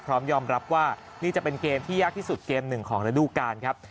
พร้อมยอมรับว่านี่จะเป็นเกมที่ยากที่สุดเกมหนึ่งของระดูการครับ